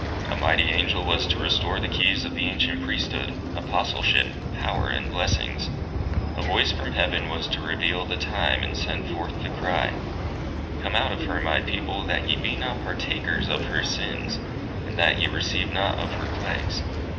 A mighty angel was to restore the keys of the ancient Priesthood, Apostleship, power and blessings. A voice from heaven was to reveal the time, and send forth the cry "_Come out of her my people, that ye be not partakers of her sins, and that ye receive not of her plagues.